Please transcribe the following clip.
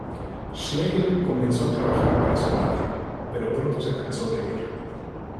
Schlegel comenzó a trabajar para su padre, pero pronto se cansó de ello.